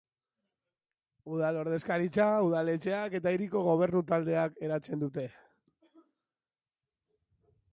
Udal ordezkaritza udaletxeak eta hiriko gobernu taldeak eratzen dute.